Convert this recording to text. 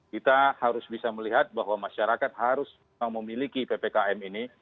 kita harus bisa melihat bahwa masyarakat harus memiliki ppkm ini